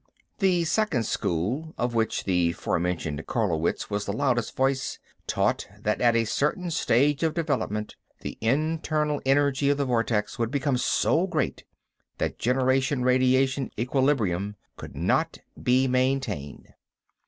The second school, of which the forementioned Carlowitz was the loudest voice, taught that at a certain stage of development the internal energy of the vortex would become so great that generation radiation equilibrium could not be maintained.